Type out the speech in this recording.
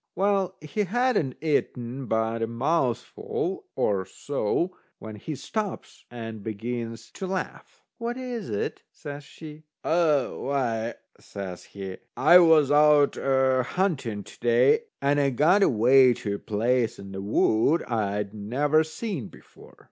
Well, he hadn't eaten but a mouthful or so when he stops and begins to laugh. "What is it?" says she. "A why," says he, "I was out a hunting to day, and I got away to a place in the wood I'd never seen before.